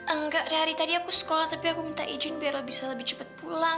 engga dari tadi aku sekolah tapi aku minta izin biar bisa lebih cepet pulang